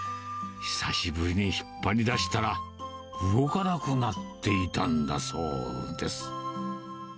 久しぶりに引っ張り出したら、動かなくなっていたんだそうです。